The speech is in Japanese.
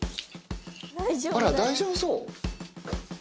あら、大丈夫そう。